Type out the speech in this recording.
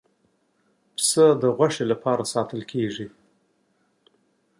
پسه د غوښې لپاره روزل کېږي.